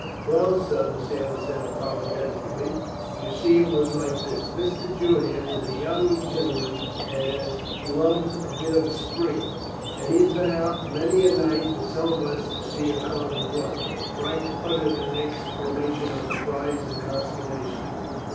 "Well, sir," the sailor said apologetically, "you see it was like this. Mr. Julian is a young gentleman as loves a bit of a spree, and he has been out many a night with some of us to see a cargo run." Frank uttered an exclamation of surprise and consternation.